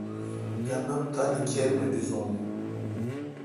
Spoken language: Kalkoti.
گین بب تانی کھیر می ڈیزوس۔